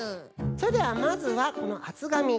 それではまずはこのあつがみから。